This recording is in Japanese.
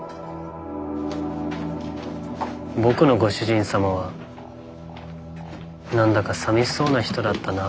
僕のご主人様は何だか寂しそうな人だったな。